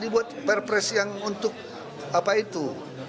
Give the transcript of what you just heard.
dibuat perpres yang untuk apa itu